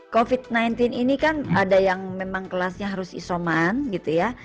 covid sembilan belas ini kan ada yang memang kelasnya harus isoman gitu ya